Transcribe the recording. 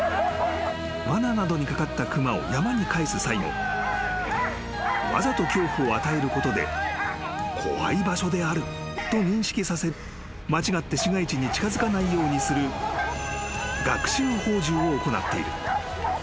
［わななどにかかった熊を山に返す際もわざと恐怖を与えることで怖い場所であると認識させ間違って市街地に近づかないようにする学習放獣を行っている］